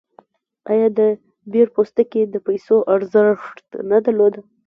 آیا د بیور پوستکي د پیسو ارزښت نه درلود؟